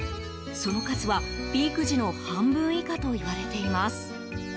その数は、ピーク時の半分以下といわれています。